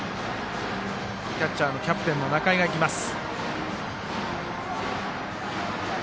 キャッチャー、キャプテンの中井が行きました。